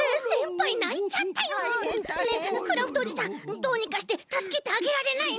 たいへんたいへん。ねえクラフトおじさんどうにかしてたすけてあげられないの？